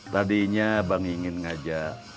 tadinya bang ingin ngajak